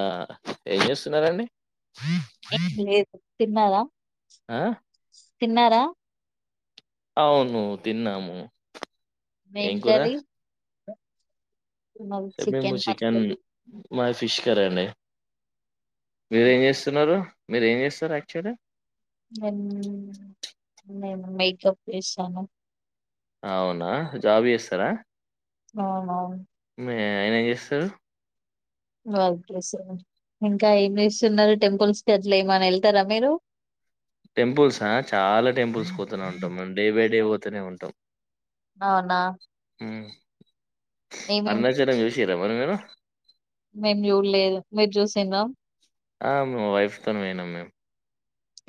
ఆ ఏం చేస్తున్నారండి ఏం లేదు తిన్నారా ఆ తిన్నారా అవును తిన్నాము ఏం కూర? వేంకర్రీ మేము చికెన్ పచ్చడి మాది ఫిష్ కర్రీ అండి మీరేం చేస్తున్నారు మీరేమ్ జేస్తారు యాక్చువలీ నేన్ నేను మేకప్ ఏసాను ఔనా జాబ్ చేస్తరా అవునవును మీ అయనేం జేస్తరు వర్కే సార్ ఇంకా ఏం చేస్తున్నారు టెంపుల్స్ కి అట్లేమన్న వెళ్తారా మీరు టెంపుల్సా చాలా టెంపుల్స్ పోతూనే ఉంటామండి డే బై డే పోతూనే ఉంటాం ఔనా ఉమ్ అరుణాచలం జూషిర్రా మరి మీరు మేమ్ చూల్లేదు మీరు చూసిండ్ర ఆమ్ వైఫ్ తోనే పోయినాం మేము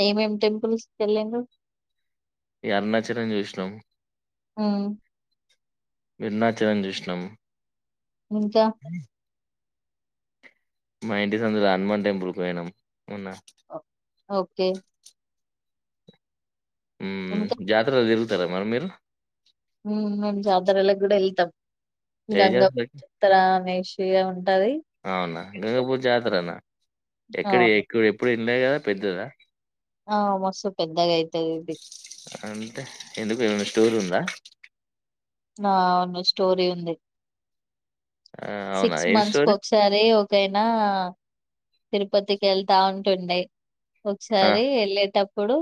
ఏమేమ్ టెంపుల్స్ కెల్లిండ్రు ఈ అరుణాచలం జూషినమ్ ఉమ్ విన్నా చలం జూషినామ్ ఇంకా మా ఇంటి సందులో హనుమాన్ టెంపుల్ కి పోయినాం మొన్న. ఒ ఓకే ఉమ్ ఇంకా జాతర్ రోజ్ తిర్ తర మరి మీరు ఏ గంగక్ జాతరకి చప్త రామేష్ [unintelligible] అవునా గంగపూర్ జాతరనా ఎక్కడ అవును ఎక్కు ఎప్పుడ్ ఎ ఉండే గద పెద్దదా ఆ మస్తు పెద్దగైతదిది అంటే ఎందుకు ఏమన స్టోరి ఉందా ఆ అవును స్టోరీ ఉంది ఆ! అవునా సిక్స్ ఏం మంత్స్ కు స్టోరీ? ఒకసారి ఓ ఒకైనా తిరుపతికి ఎళ్తా ఉంటుండే ఆ! ఒక్సారి ఎళ్ళేటప్పుడు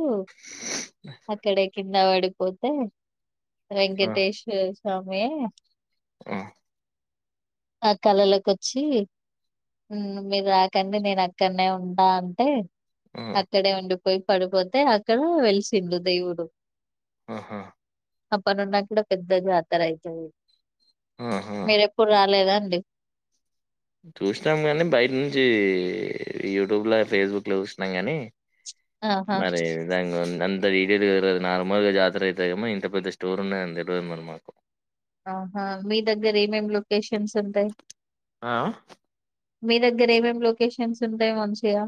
అక్కడ ఎకి కింద వడిపోతే ఆ! వెంకటేశ్వర్ సమే ఆ ఆ కళలలోకొచ్చి ఊ మీర్ రాకండి నేను అక్కనే ఉంటా అంటే, ఆ! అక్కడే ఉండిపోయి పడిపోతే అక్కడ వెలిసిండు దేవుడు. ఆహా అప్పట్నుండి అక్కడ పెద్ద జతరాయ్తది. ఆహా! మీరేప్పుడు రాలేదా? ఎ చూష్ణం గనీ బయట నుంచి యూట్యూబ్ ల, ఫేస్బుక్ల జూష్ణం గని. ఆహా మరి దంగాఉంద్ అం అది ఈది ఈది దిరగది నార్మల్గా జాతరయ్తదేమో ఇంత పెద్ద స్టోర్ ఉన్న తెల్వదు మరి మాకు. ఆహా మీ దగ్గర ఏమేమ్ లొకేషన్స్ ఉంటాయ్. ఆ మీ దగ్గర ఏమేం లొకేషన్స్ ఉంటాయ్ మంచిగా?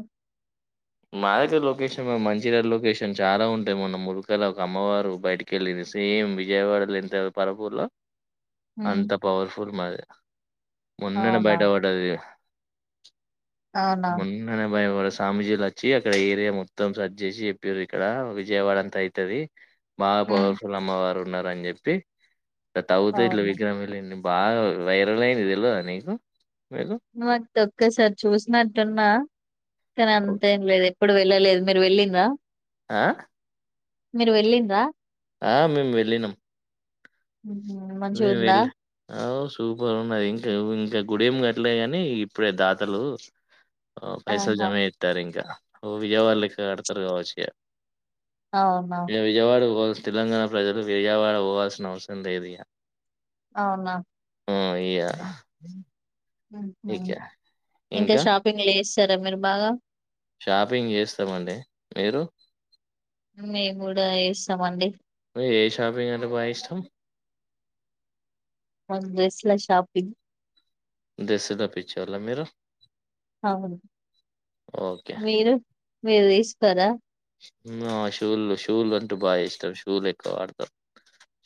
మాదగరా లొకేషన్ మంచిరల్ లొకేషన్ చాలా ఉంటాయి, మొన్న ముల్కల ఒక అమ్మవారు బయటకి ఎళ్ళింది సేమ్ విజయవాడలెన్త్ పరపూర్లో హ్మ్. అంత పవర్ఫుల్ మాది, మొన్ననే అవునా? బయటవడ్డది. అవునా? మొన్ననే భయం వరస్ రామోజీ లైక్ చ్చి అక్కడ ఏరియా మొత్తం సర్జ్ జేసి జెపిర్రు ఇక్కడ విజయవాడ అంత అయితది. బాగా హ్మ్. పవర్ ఫుల్ అమ్మవారు. ఉన్నారని జెప్పి ఇట తావ్తే ఇట్ల అవును. విగ్రహం ఎలింది బాగా వైరల్ అయింది దెల్వదా నీకు మీకు నువ్వత్తే ఒక్కసారి చూసినట్టున్నా కాని అంతేం లేదు ఎప్పుడు వెళ్ళలేదు మీరు వెళ్ళిండ్రా. ఆ మీరు వెళ్ళిండ్రా. ఆ మేం వెళ్లినం. హుహు. వె మంచిగుందా? వెళ్ళా ఓస్ సూపర్ ఉన్నది ఇంక ఇంకా గుడెం కట్టలే కాని ఇప్పుడే దాతలు ఆ పైసల్ ఆహా! జమజేత్తారు ఇంకా ఓ విజయవాడ లెక్క కడుతరు కావచ్చు ఇగ అవునా? ఇది విజయవాడకు పోద్ తెలంగాణ ప్రజలు విజయవాడ పోవాల్సిన అవసరం లేదు ఇగ అవునా మావయ్య ఇంకా షాపింగ్ లేస్ సరే మీర్ బాగా షాపింగ్ చేస్తం అండి. మీరు మేము గూడా చేస్తామండి. ఏ షాపింగ్ అంటే బాగా ఇష్టం. మన డ్రెస్ల షాపింగ్. డ్రెస్సుల పిచ్చోళ్ల మీరు అవును ఓకే. మీరు మీరు తీసుకోరా. మేమ షూలు షూలు అంటే బాగా ఇష్టం. షూలు ఎక్కువ వాడతాం.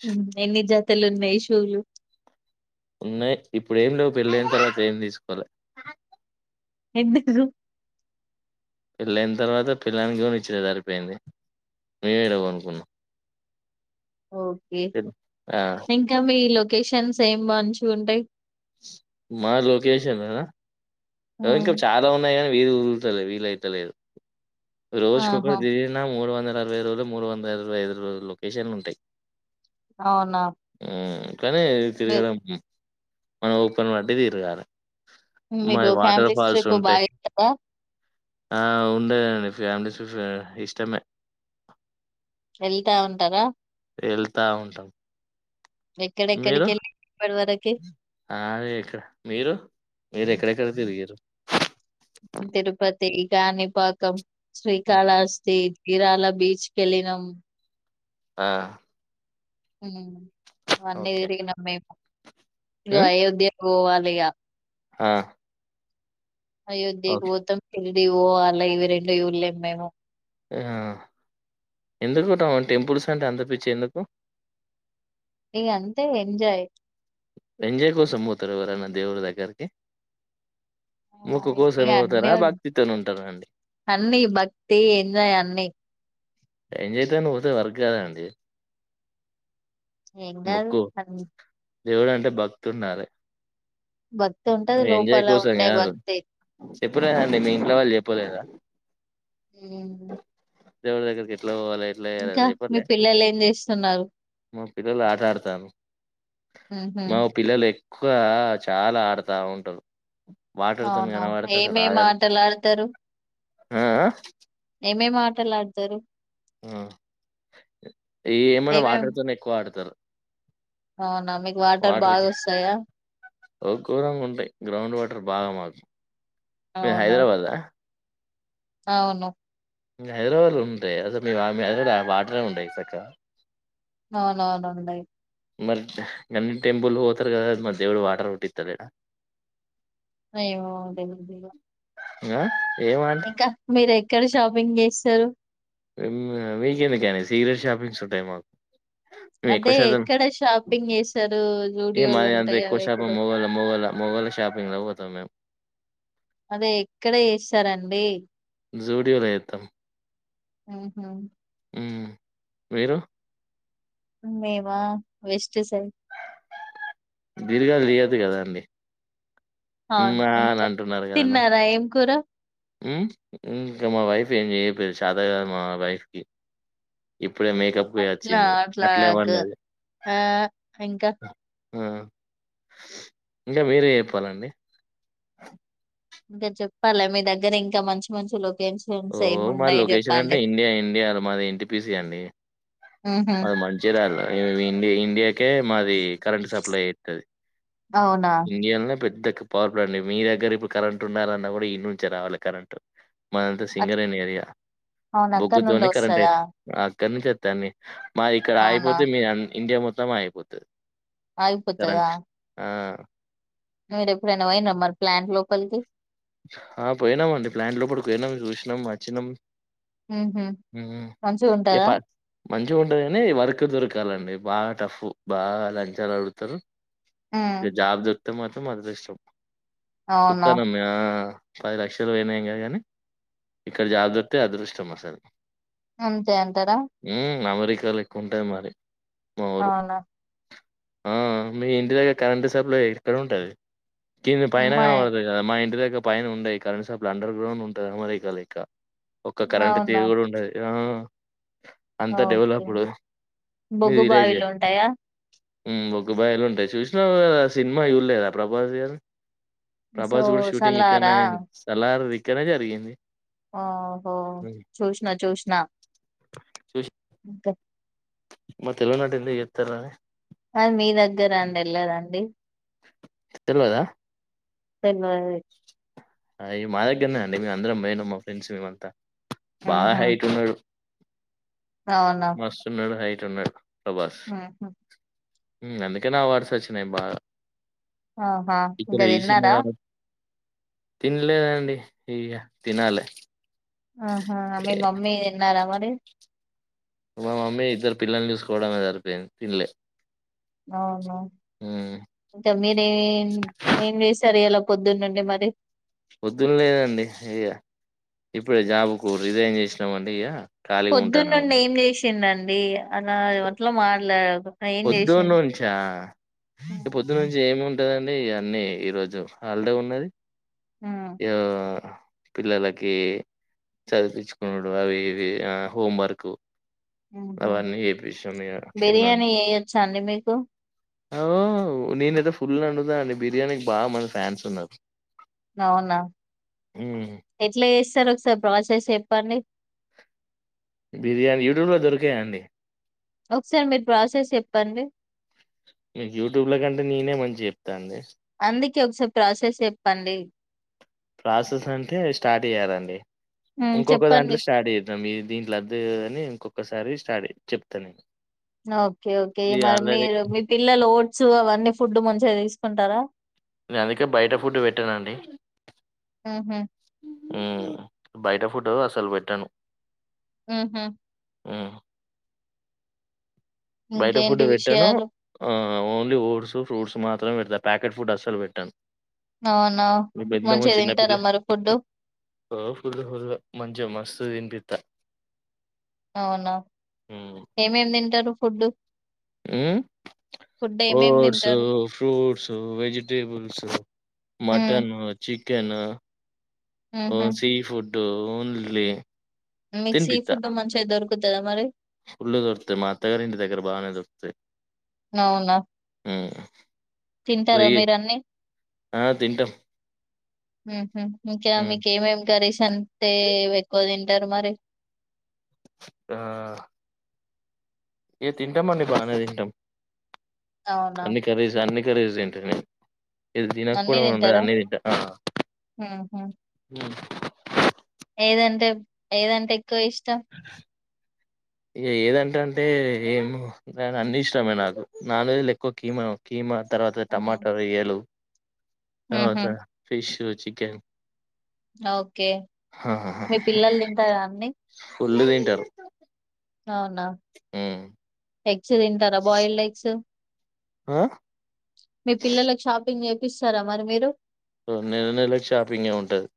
ఊ ఎన్ని జతలు ఉన్నాయి షూలు ఉన్నాయి ఇప్పుడు ఏం లేవు పెళ్ళయిన తర్వాత ఏం తీసుకోలే. ఎందుకుగు పెళ్ళయిన తర్వాత పెళ్ళానికి కొనిచ్చుడే సరిపోయింది. మేం ఏడ కొనుకున్నాం. ఓకే ఆ! ఇంక మీ లొ కేషన్స్ ఏం మంచిగ ఉంటాయి. మా లోకేషనా ర హ్మ్. ఇంక చాలా ఉన్నాయి కాని వీల్ కుదుర్తలే వీల్ అయితలేద్. రోజ్ ఆహా! కొక్కటి తిరిగిన మూడు వందల్ అరవై రోజులు మూడు వందల అరవై ఐదు రోజులు లొకేషన్లు ఉంటాయి. అవునా కని మీరు తిరగడం. మన ఓపికని బట్టి తిరగాలె. మీగో ఫ్యామిలీస్ ట్రిప్ బాగేల్తార ఆ ఉండేదండి ఫ్యామిలీస్ ఫ్రె ఇష్టమే వెళ్తా ఉంటారా ఎళ్తా ఉంటాం ఎక్కడెక్కడి మీరు? కెళ్ళి ఇప్పటి వరక్ ఆ అదే [unintelligible] మీరు ఎక్కడెక్కడ తిరిగిర్రు తిరుపత్ తి ఈ కానిపాకం హ్మ్. శ్రీకాళహస్తి ఇరాల బీచ్ కెళ్ళినాం ఆ మ్మ్ అన్ని ఓకే. తిరిగినం మేం ఇగో హ్మ్. అయోధ్య పోవాలిగా ఆ అయోధ్యకు ఓకే. వోతమ్ తీ ఇవోవాలే ఇవి రెండు చూలేం మేము మ్మ్ ఎందుకుంటవ్ టెంపుల్స్ అంటే అంతపిచి ఎందుకు ఇగ అంతే ఎంజాయ్ ఎంజాయ్ కోసం వోతరా ఎవరన్నా దేవుని దగ్గరికి మొక్కు ఇవని కోసం పోతారా? అన్ని భక్తితోని ఉంటారా అండి? అన్నీ భక్తి ఎంజాయ్ అన్నీ, ఎంజాయ్ తోని వోతే వర్కాదండి ఏంగాద్ సర్ దేవుడంటే భక్తి ఉండాలే భక్తి ఉంటది ఎంజాయ్ లోపల కోసం ఉండే కాదు, భక్తి చెప్పలేదండి మీ ఇంట్లో వాళ్ళు చెప్పలేదా. ఊ దేవుని దగ్గరికి ఎట్లా పోవాలి ఎట్లా చేయాలా అదే పలే పిల్లలు ఏం చేస్తున్నారు మా పిల్లలు ఆట ఆడతాను మ్మ్ హ్మ్ ఎక్కువ చాలా ఆడుతూ ఉండు అవునా ఏమేం ఆటలాడుతరు ఊ ఆడతారు ఉ ఆ ఏమన్నా ఏమేం వాటర్తోనే ఎక్కువ ఆడతారు అవునా మీకు వాటర్ బాగా వాటర్కి వస్తాయా కూరంగా ఉంటాయి గ్రౌండ్ వాటర్ బాగా మాకు మీరు అవునా హైదరాబాద్ ఆ అవును హైదరాబాద్ లో ఉంటాయి అసలు హైదరాబాద్ వాటర్ ఉంటాయి సక్కగ అవును అవును ఉండయి మరి గన్నీ టెంపుల్ పోతారు కదా మరి దేవుడు వాటర్ పుట్టింతలేడ అయ్యో ఎమో ఎమో ఉంటాయి గుగిల్లు [unintelligible] ఇంకా మీర ఎక్కడ షాపింగ్ చేస్తారు వీకందకని సీక్రెట్ షాపింగ్స్ ఉంటాయి మాకు, మే అంటే ఎక్కువ శాతం ఎక్కడ షాపింగ్ చేస్తారు ఏ జూడియోలు మాది అ ఉంటాయి ఎక్కువ అవి ఎక్కడ శాతం మొగోళ్ళు మొగోళ్ళు మొగోళ్ళు షాపింగ్ లో కు పోతాం మేము అదే ఎక్కడ చేస్తారండి జూడియోల చేతం ఉహు హు మీరు మేవా వెస్ట్ సైడ్ దీర్ఘాలు తీయొద్దు కదా అండి, అవును ఇంకా నువ్వు. తిన్నారా ఏం కూర ఇంకా మా వైఫ్ ఏం చేయపోయేది చేతగాదు మా వైఫ్ కి, అట్లా అట్లా గ ఆ ఇంకా హు ఇంకా మీరే చెప్పాలండి, ఇంకా చెప్పాలా మీ దగ్గర ఇంకా మంచి మంచి లో ఓ మాది లొకేషన్ అంటే ఇండియా ఇండియా మాది ఎన్టీపిసి అండి, హుహు. మాది మంచిర్యాల ఇండి ఇండియాకే మాది కరెంట్ సప్లై చేస్తది అవునా? ఇండియాలానే పెద్ద, పవర్ ప్లాంట్ మీ దగ్గర ఇప్పుడు కరెంట్ ఉండాలా అన్న కూడా ఇన్ని నుంచే రావాలి కరెంట్, మాది అంతా అచ్ సింగరేణి ఏరియా అవునా? బొగ్గు అక్కడి నుండే తోని కరెంట్ ఐ వస్తదా? ఆ ఇక్కడ నుంచి వస్తే అన్ని స మాయి ఇక్కడ అవునా? ఆగిపోతే మీ ఆ ఇండియా మొత్తం మొత్తం ఆగిపోతాది ఆగిపోతదా మీరు ఎప్పుడన్నా పోయిన మరి ప్లాంట్ లోపలికి, ఆ పోయినాము అండి ప్లాంట్ లోపలికి పోయినాం చూసినాం వచ్చినాం, ఉహ హ్మ్ మంచిగా ఇగ ఉంటాదా, ప మంచిగా ఉంటుంది కానీ వర్క్ దొరకాలండి బాగా టఫ్ బాగా లంచాలు ఆడుగుతారు, హ్మ్. ఇగా జాబు దొరికితే మాత్రం అదృష్టం అవున చూత్తన్నాం ఆ పది లక్షలు పోయినా ఏం కాదు కానీ ఇక్కడ జాబ్ దొరికితే అదృష్టం అసలు అంతే అంటారా అమెరికాలో ఎక్కువ ఉంటాయి మరి మా ఊరు అవునా ఆ మీ ఇంటి దగ్గర కరెంటు సప్లై ఇక్కడ ఉంటది కింది పైన మయ్ కనపడుతది కద మా ఇ టి దగ్గర పైన ఉండయి కరంట్షాప్లు అండర్గ్రౌండ్ ఉంటది [unintelligible] మరి ఇక ఒక కరెంట్ అవునా? తీగ కూడా ఉండది [unintelligible] అంత ఓకే డెవలప్‌డ్ బొగ్గు బాయిలు ఉంటాయా మ్మ్ బొగ్గు బాయిలుంటాయి చూసినావు కదా సినిమా చూడలేదా ప్రభాస్ గారు సో టింగ్ ఇక్కడ్ నే చల్లారా? అయిన్ సలా లారు విక్కనే జరిగింది ఓహో హ్మ్. చూస్నా చూస్నా మా తెలుగునాటెందుకు చేత్తారా ఆ మీ దగ్గర అండి వెళ్ళదండి తెల్వదా పెన్ను అది అయ్ మా దగ్గరనే అండి మే అందరం మేము మా ఫ్రెండ్స్ మేమంతా బాగా ఉహు హైట్ ఉన్నాడు మాస్తున్నడడు హైటు టున్నడ్ ఆహా అందుకేనా అవార్డ్స్ వచ్చినయి బాగా ఆహా ఇంక ఇక్కడ తీసింది తిన్నారా గాబ తినలేదండి ఇక తినాలి ఆహా మీ మమ్మీ తిన్నారా మరి మా మమ్మీ ఇద్దరు పిల్లల్ని చూసుకోవడమే సరిపోయింది తిన్లే అవునా ఇక మీరేం ఏం చేశారియ్యేలా పొద్దున్నుండి మరి పొద్దున లేదండి ఇక ఇప్పుడే జాబ్ కు రిజైన్ చేసినామండి ఇక పొద్దున్నుండి ఏం చేసిండన్ దీగ అలా ఆది వట్ల మాట్లాడకు ఏం పొద్దున్న చేసిండు నుంచా పొద్దునుంచి ఏమ్ ఏం ఉంటదండి అన్నీ ఈ రోజు హాలిడే ఉన్నది ఉమ్ యో పిల్లలకి చదిపించుకునుడు అవి ఇవి ఆ హోంవర్క్ హా హా బిర్యానీ చేయచ్చ అండి మీకు ఔ నేనైతే ఫుల్ అండుతా అండి బిర్యానీకి బాగా మంది ఫ్యాన్స్ ఉన్నారు నవునా మ్మ్ ఎట్లే చెస్ సార్ ఒకసారి ప్రాసెస్ చెప్పండి బిర్యానీ యూట్యూబ్లో ధోర్కయ అండి ఒకసారి మీరు ప్రాసెస్ చెప్పండి మీకు యూట్యూబ్ లో కంటే నీనే మంచిగా చెప్తా అండి అందుకే ఒకసప్ ప్రాసెస్ చెప్పండి ప్రాసెస్ అంటే స్టార్ట్ చేయాలండి హ్మ్ ఇంకొక్క చెప్పండి దాంట్లో స్టార్ట్ చేద్దాం ఇగ దీంట్ల అద్దు కాని ఇంకొ ఒకసారి స్టార్ట్ చెయ్ చెప్తా నేన్ ఓకే ఓకే మరి మీరు మీ పిల్లలు ఓట్ సువ్ అవన్నీ ఫుడ్ మంచిగా తీసుకుంటారా నేను అందుకే బయట ఫుడ్ వెట్టానండి హుహు. ఉమ్ బయట ఫుడ్ అసలు వెట్టాను ఆహా బయట ఫుడ్ ఇంకేంటి వెట్టాను విషయాలు? ఆ ఓన్లీ ఓట్స్ ఫ్రూట్స్ మాత్రమే వెడుతా ప్యాకెట్ ఫుడ్ అస్సలు వెట్టంను అవునా! మీ బెడ్ ల ఏమో మంచిగా తింటారా చిన్నపిల్ల మరి ఫుడ్డు? ఓ ఫుల్ ఫుల్ మంచిగా మస్తు తనిపి త అవునా ఏమేమి తింటారు ఫుడ్ ఉ ఏమేమి ఓట్స్ తింటారు? ఫ్రూట్స్ వెజిటేబుల్స్ హ్మ్. మటన్ చిక్ కెన ఓ హుహు. సి ఫుడ్ దోన్లీ మీకు సీ ఫుడ్ మంచిగా దొరుకు తుద అ మరి ఫుల్లు దొరుకుతాయి మా అత్తగారి ఇంటికాడ బాగానే దొరుకుతాయి అవునా హ్మ్. తింటారా ఫ్రీ మీరు అన్నీ ఆ! తింటాం. ఉహు ఇంకా హ్మ్. మీకు ఏమేమి కర్రీస్ అంటే ఎక్కువ తిన్ ఉంటారు మరి ఆ ఏ తింటాం మండి బాగానే తింటాం అవునా! అన్ని కర్రీస్ అన్ని కర్రీస్ తింటేనే ఇది తినక అన్నీ పోవడం అని ఉండదు తింటారా? అన్నీ తింటా ఆ హుహు. ఏదంటే ఏదంటే ఎక్కువ ఇష్టం అ ఇగ ఏదంట అంటే ఏమో అన్ని ఇష్టమే నాకు నాన్ వెజ్ లో ఎక్కువ కీమా కీమా తర్వాత హ్మ్. టమాటా రొయ్యలు అ హుహు. స ఫిష్షు చికెన్ ఓకే మీ పిల్లలు తింటార అండి పుళ్ళు తింటారు అవునా హ్మ్. ఎగ్ ఎగ్స్ తింటారా బాయ్ ఎగ్సు ఆ మీ పిల్లలకు షాపింగ్ చేపిస్తారా మరి మీరు ఆ నెల నెల షాపింగే ఉంటది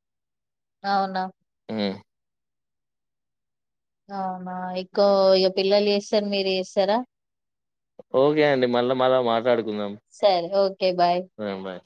అవునా ఆ అవునా ఎక్కువ ఇ పిల్లలు చేస్తారు మీరు చేస్తారా ఓకే అండి మళ్ళా మళా మాట్లాడుకుందాం సరే. ఓకే. బాయ్. ఆ బాయ్